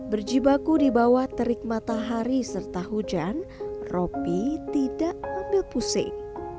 berjibaku di bawah terik matahari serta hujan ropi tidak ambil pusing